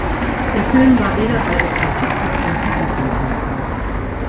Der Film war weder bei der Kritik noch beim Publikum ein Erfolg.